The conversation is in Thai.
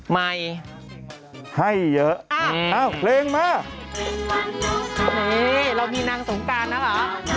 ไม่ให้เยอะอ้าวเลงมาเรามีนางสมการนะเหรอ